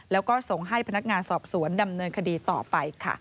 แล้วก็ส่งให้พนักงานสอบสวนดำเนินคดีต่อไปค่ะ